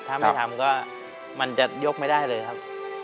ถ้าไม่ทำก็มันจะยกไม่ได้เลยครับ